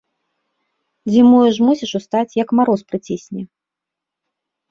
Зімою ж мусіш устаць, як мароз прыцісне.